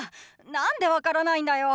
何で分からないんだよ。